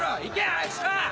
早くしろ！